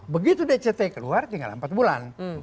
begitu dct keluar tinggal empat bulan